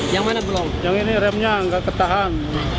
yang ini remnya nggak ketahan